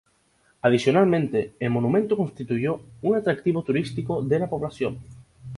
Adicionalmente, el monumento constituyó un atractivo turístico de la población.